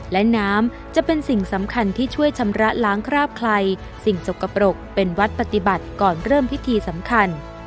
และน้ำจะเป็นสิ่งสำคัญที่ช่วยชำระล้างคราบไครสิ่งสกปรกเป็นวัดปฏิบัติก่อนเริ่มพิธีสำคัญ